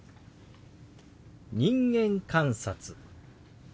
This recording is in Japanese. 「人間観察」。